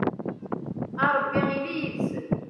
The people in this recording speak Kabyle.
a rebbi ili yid-sen